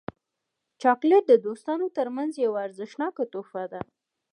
چاکلېټ د دوستانو ترمنځ یو ارزښتناک تحفه ده.